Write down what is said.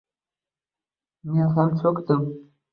Men ham cho`kdim